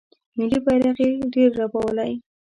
ملي بیرغ یې ډیر رپولی